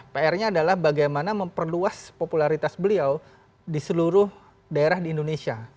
pr nya adalah bagaimana memperluas popularitas beliau di seluruh daerah di indonesia